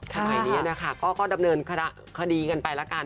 แค่วันนี้ก็ดำเนินคดีกันไปละกัน